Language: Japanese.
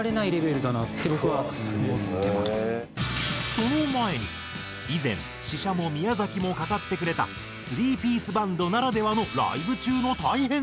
その前に以前ＳＨＩＳＨＡＭＯ宮崎も語ってくれた３ピースバンドならではのライブ中の大変さ。